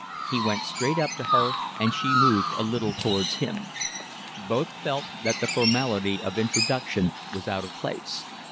He went straight up to her, and she moved a little towards him. Both felt that the formality of introduction was out of place.